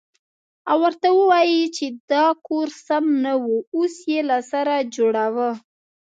او ورته ووايې چې دا کور سم نه و اوس يې له سره جوړوه.